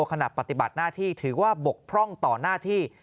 ขณะปฏิบัติหน้าที่ถือว่าบกพร่องต่อหน้าที่